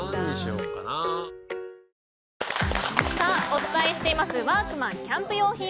お伝えしていますワークマンキャンプ用品